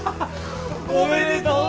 おめでとう！